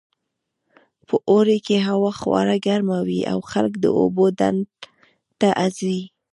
په اوړي کې هوا خورا ګرمه وي او خلک د اوبو ډنډ ته ځي